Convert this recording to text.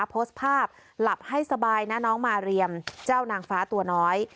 โพสต์ภาพหลับให้สบายนะน้องมาเรียมเจ้านางฟ้าตัวน้อย